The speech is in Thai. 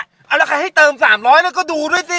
เอาละใครให้เติม๓๐๐แล้วก็ดูด้วยสิ